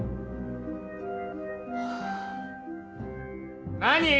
はあ。何！？